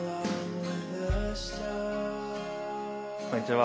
こんにちは。